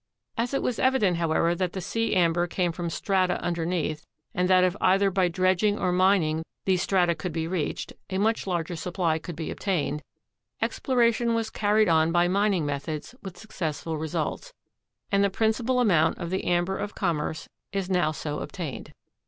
As it was evident however that the sea amber came from strata underneath and that if either by dredging or mining these strata could be reached a much larger supply could be obtained, exploration was carried on by mining methods with successful results, and the principal amount of the amber of commerce is now so obtained.